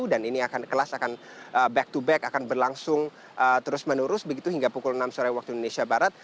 dan ini kelas akan back to back akan berlangsung terus menurus hingga pukul enam sore waktu indonesia barat